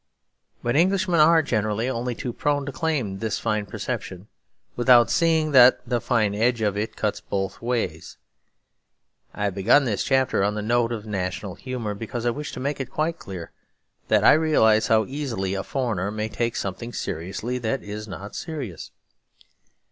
But Englishmen are generally only too prone to claim this fine perception, without seeing that the fine edge of it cuts both ways. I have begun this chapter on the note of national humour because I wish to make it quite clear that I realise how easily a foreigner may take something seriously that is not serious.